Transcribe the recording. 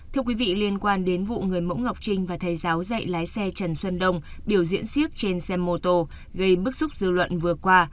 thưa quý vị liên quan đến vụ người mẫu ngọc trinh và thầy giáo dạy lái xe trần xuân đông biểu diễn siếc trên xe mô tô gây bức xúc dư luận vừa qua